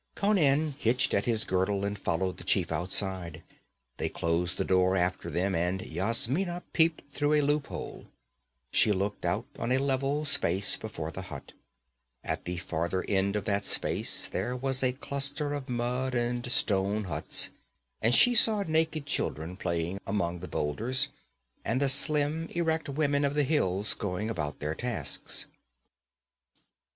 Conan hitched at his girdle and followed the chief outside. They closed the door after them, and Yasmina peeped through a loop hole. She looked out on a level space before the hut. At the farther end of that space there was a cluster of mud and stone huts, and she saw naked children playing among the boulders, and the slim erect women of the hills going about their tasks.